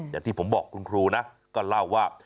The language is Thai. อย่างที่ผมบอกคุณครูนะก็เล่าว่า